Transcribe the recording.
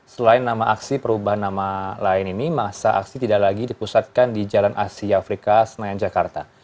selain nama aksi perubahan nama lain ini masa aksi tidak lagi dipusatkan di jalan asia afrika senayan jakarta